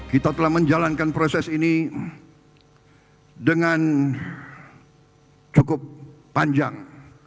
kita telah menjalankan proses ini dengan cukup panjang